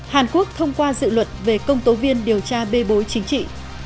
hàn quốc thông qua dự luật về công tố viên điều tra bê bối chính trị